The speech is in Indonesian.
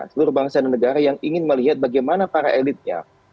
seluruh bangsa dan negara yang ingin melihat bagaimana para elitnya